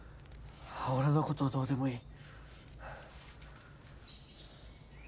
俺の事はどうでもいい。